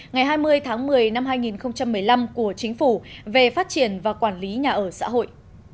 ngày hai mươi tháng một mươi năm hai nghìn một mươi năm của chính phủ về phát triển và quản lý nhà ở xã hội